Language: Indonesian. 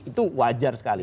itu wajar sekali